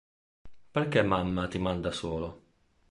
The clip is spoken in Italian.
Perché mamma ti manda solo?